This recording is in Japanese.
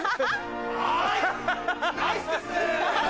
はいナイスですね！